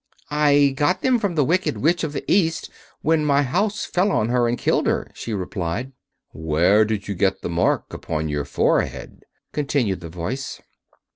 "I got them from the Wicked Witch of the East, when my house fell on her and killed her," she replied. "Where did you get the mark upon your forehead?" continued the voice.